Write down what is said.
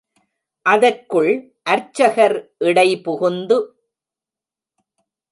அதற்குள் அர்ச்சகர் இடைபுகுந்து.